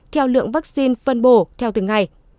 theo lượng vaccine phân bổ theo từng ngày